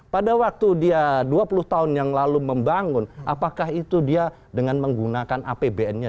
pada waktu dia dua puluh tahun yang lalu membangun apakah itu dia dengan menggunakan apbn nya